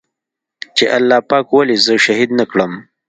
چې الله پاک ولې زه شهيد نه کړم.